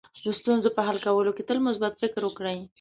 د ستونزو په حل کولو کې تل مثبت فکر وکړئ.